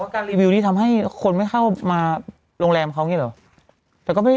การรีวิวนี้ทำให้คนไม่เข้ามาโรงแรมเขาอย่างนี้เหรอ